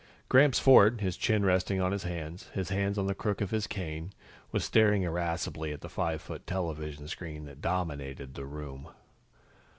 _ Gramps Ford, his chin resting on his hands, his hands on the crook of his cane, was staring irascibly at the five foot television screen that dominated the room.